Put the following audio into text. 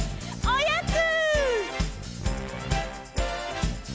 おやつ！